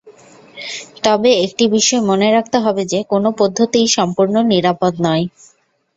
তবে একটি বিষয় মনে রাখতে হবে যে, কোনো পদ্ধতিই সম্পূর্ণ নিরাপদ নয়।